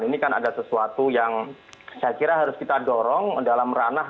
ini kan ada sesuatu yang saya kira harus kita dorong dalam ranah